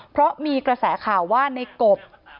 เพราะมีกระแสข่าวว่าในกบ